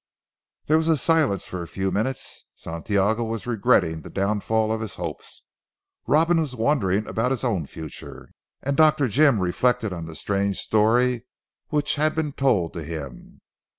There was silence for a few minutes. Santiago was regretting the downfall of his hopes. Robin was wondering about his own future, and Dr. Jim reflected on the strange story which had been told to him.